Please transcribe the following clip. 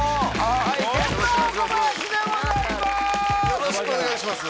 よろしくお願いします